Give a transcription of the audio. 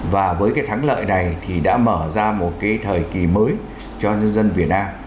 và với cái thắng lợi này thì đã mở ra một cái thời kỳ mới cho nhân dân việt nam